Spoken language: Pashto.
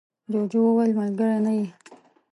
جوجو وویل ملگری نه یې.